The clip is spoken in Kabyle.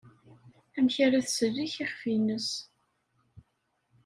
Amek ara tsellek iɣef-nnes?